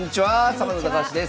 サバンナ高橋です。